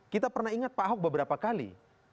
kita pernah ingat pak ahok beberapa kali